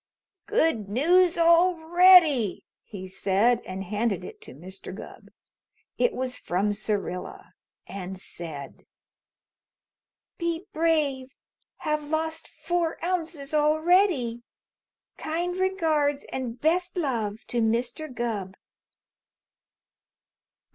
"Good news already," he said and handed it to Mr. Gubb. It was from Syrilla and said: Be brave. Have lost four ounces already. Kind regards and best love to Mr. Gubb.